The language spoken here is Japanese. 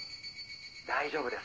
「大丈夫です。